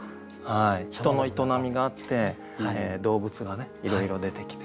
人の営みがあって動物がねいろいろ出てきて。